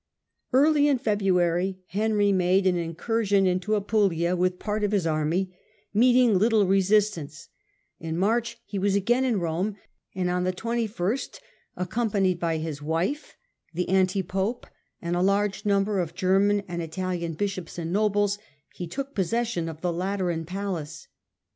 Early in February Henry made an incursion into Digitized by VjOOQIC The Last Years of Gregory VII, 149 Apulia, with part of his army, meeting little resistance ; in March he was again in Borne, and on the 21st, accompanied by his wife, the anti pope, and a large number of German and Italian bishops and nobles, he took possession of the Lateran palace.